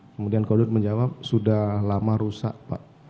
kemudian kodut menjawab sudah lama rusak pak